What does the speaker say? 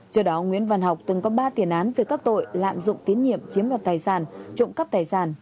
trước đó nguyễn văn học từng có ba tiền án về các tội lạm dụng tiến nhiệm chiếm lập tài sản trụng cấp tài sản